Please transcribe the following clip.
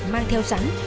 mang theo sẵn